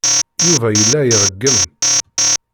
Yuba yella ireggem.